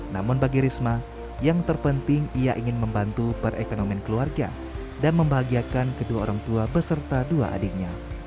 namun bagi risma yang terpenting ia ingin membantu perekonomian keluarga dan membahagiakan kedua orang tua beserta dua adiknya